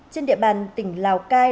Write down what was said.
trên địa bàn tỉnh lào cai